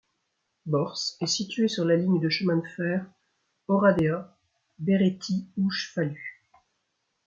Borș est située sur la ligne de chemin de fer Oradea-Berettyóújfalu.